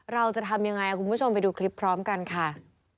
เราจะทำยังไงคุณผู้ชมไปดูคลิปพร้อมกันค่ะ